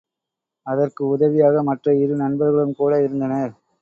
அதற்கு உதவியாக மற்ற இரு நண்பர்களும் கூட இருந்தனர்.